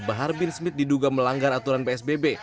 bahar bin smith diduga melanggar aturan psbb